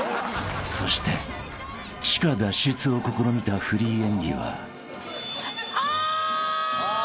［そして地下脱出を試みたフリー演技は］あ！